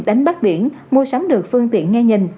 đánh bắt biển mua sắm được phương tiện nghe nhìn